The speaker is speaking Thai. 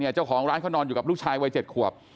เจ้าของร้านเขานอนอยู่กับลูกชายวัย๗ขวบ